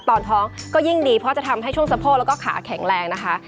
ตอนท้องก็ยิ่งดีเพราะจะทำให้ช่วงสะโพกแล้วก็ขาแข็งแรงนะคะ